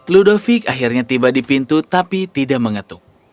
ludovic akhirnya tiba di pintu tapi tidak mengetuk